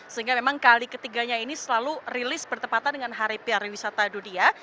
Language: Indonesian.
sehingga memang kali ketiganya ini selalu rilis bertepatan dengan hari pariwisata dunia